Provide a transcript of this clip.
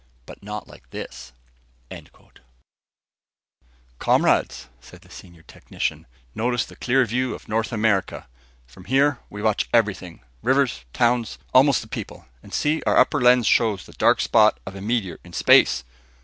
But not like this...! by William Carroll Illustrated by Schoenherr "Comrades," said the senior technician, "notice the clear view of North America. From here we watch everything; rivers, towns, almost the people. And see, our upper lens shows the dark spot of a meteor in space.